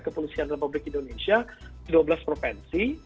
kepolisian republik indonesia di dua belas provinsi